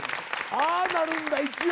ああなるんだ一応。